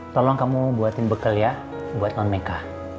tolong kamu buatin bekal ya buat non meka